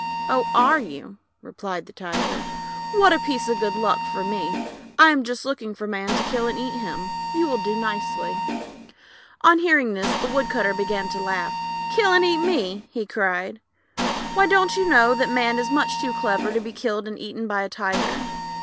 "Oh, are you?" replied the Tiger. "What a piece of good luck for me! I am just looking for Man to kill and eat him. You will do nicely." THE TIGER FOLLOWED THE MAN TO HIS HOUSE THE TIGER AND THE MAN 187 On hearing this the Woodcutter began to laugh. "Kill and eat me," he cried. 'Why, don't you know that Man is much too clever to be killed and eaten by a Tiger?